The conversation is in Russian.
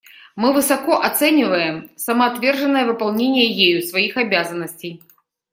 Мы высоко оцениваем самоотверженное выполнение ею своих обязанностей.